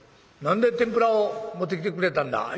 何で天ぷらを持ってきてくれたんだ？」。